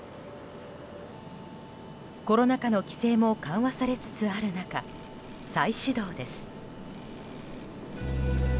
コロナ禍の規制も緩和されつつある中再始動です。